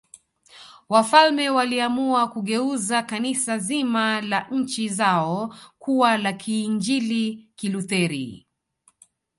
Wafalme waliamua kugeuza Kanisa zima la nchi zao kuwa la Kiinjili Kilutheri